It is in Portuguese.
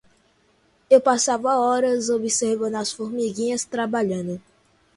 Eu passava horas observando as formiguinhas trabalhando.